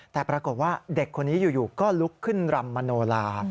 แต่ปรากฏว่าเด็กคนนี้อยู่ก็ลุกขึ้นรำมโนลา